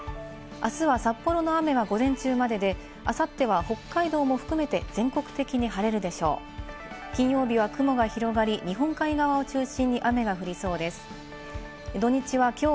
あすは札幌の雨は午前中までで、あさっては北海道も含めて全国的に晴れるでしょう。